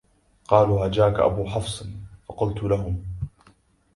قالوا هجاك أبو حفصٍ فقلت لهم